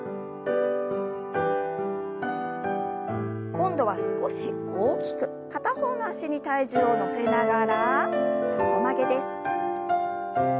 今度は少し大きく片方の脚に体重を乗せながら横曲げです。